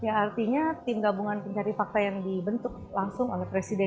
ya artinya tim gabungan pencari fakta yang dibentuk langsung oleh presiden